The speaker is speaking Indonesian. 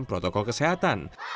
dan protokol kesehatan